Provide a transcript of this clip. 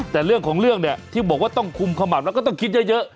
แต่เรื่องของเรื่องเนี่ยที่บอกว่าต้องคุมขมับแล้วก็ต้องคิดเยอะ